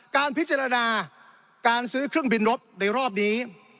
การพิจารณาการซื้อเครื่องบินรบในรอบนี้